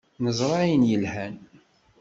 Neẓra ayen yelhan.